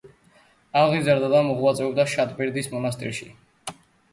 აღიზარდა და მოღვაწეობდა შატბერდის მონასტერში.